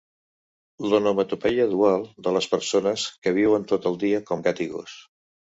L'onomatopeia dual de les persones que viuen tot el dia com gat i gos.